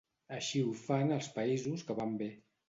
Així ho fan els països que van bé.